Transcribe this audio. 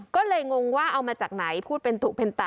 ก็เลยงงว่าเอามาจากไหนพูดเป็นถูกเป็นตา